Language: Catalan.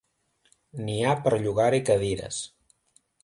N'hi ha per llogar-hi cadires.